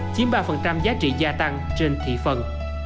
chiếm ba giá trị gia tăng trên thị phần